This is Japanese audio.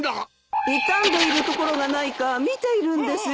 傷んでいる所がないか見ているんですよ。